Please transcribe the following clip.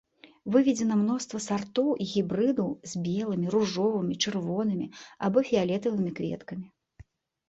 Выведзена мноства сартоў і гібрыдаў з белымі, ружовымі, чырвонымі або фіялетавымі кветкамі.